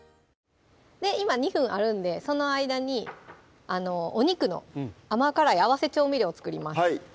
今２分あるんでその間にお肉の甘辛い合わせ調味料作ります